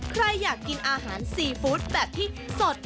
ใครอยากกินอาหารซีฟู้ดแบบที่สด